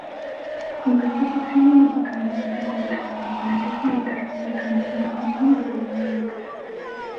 Durante su exilio mexicano contrajo matrimonio con el ex-militar republicano Benjamín Balboa López.